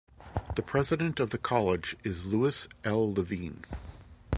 The President of the College is Louis L. Levine.